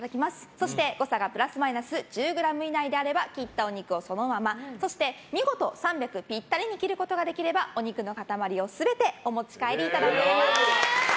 そして誤差がプラスマイナス１０ｇ以内であれば切ったお肉をそのままそして、見事３００ｇぴったりに切ることができればお肉の塊を全てお持ち帰りいただけます。